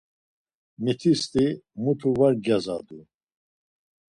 Mitisti mutu var gyazadu.